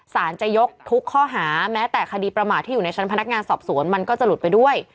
จะยกทุกข้อหาแม้แต่คดีประมาทที่อยู่ในชั้นพนักงานสอบสวนมันก็จะหลุดไปด้วย